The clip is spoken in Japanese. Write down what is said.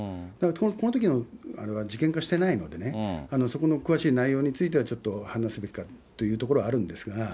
このときのあれは事件化していないのでね、そこの詳しい内容については、ちょっと話すべきかってところはあるんですが。